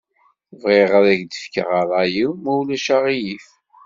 Bɣiɣ ad ak-d-fkeɣ ṛṛay-iw ma ulac aɣilif.